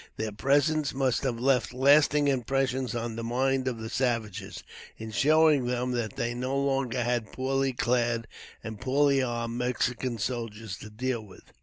Their presence must have left lasting impressions on the minds of the savages, in showing them that they no longer had poorly clad and poorly armed Mexican soldiers to deal with.